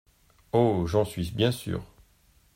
Oh ! j'en suis bien sûr.